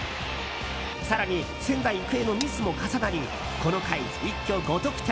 更に仙台育英のミスも重なりこの回、一挙５得点。